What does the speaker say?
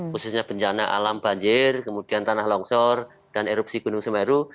khususnya bencana alam banjir kemudian tanah longsor dan erupsi gunung semeru